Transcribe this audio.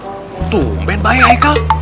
tuh umben bayi haikal